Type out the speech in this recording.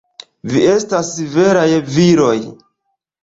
Vi estas veraj viroj!